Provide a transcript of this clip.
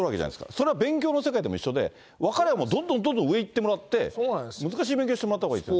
それは勉強の世界でも一緒で、分かる人はどんどん上いってもらって、難しい勉強してもらったほうがいい。